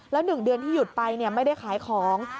แล้ว๑เดือนที่หยุดไปไม่ได้ขายของ